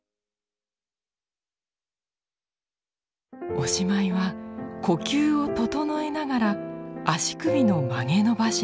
おしまいは呼吸を整えながら足首の曲げ伸ばしです。